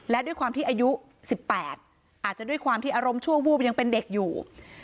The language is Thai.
และด้วยความที่อายุ๑๘อาจจะด้วยความที่อารมณ์ชั่ววูบยังเป็นเด็กอยู่